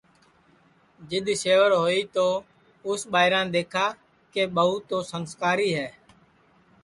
جِدؔ سیور ہوئی تو اُس ٻائران دؔیکھا کہ ٻوان سنٚسکاری ہے